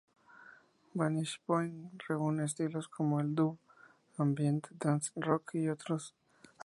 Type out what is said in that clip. Vanishing Point reúne estilos como el dub, ambient, dance, rock, y otros.